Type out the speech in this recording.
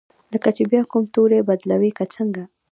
لکه چې بیا کوم توری بدلوي که څنګه؟